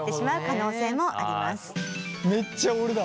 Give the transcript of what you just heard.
めっちゃ俺だ。